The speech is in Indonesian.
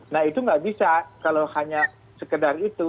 nah itu nggak bisa kalau hanya sekedar itu